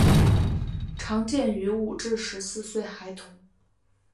常见于五至十四岁孩童。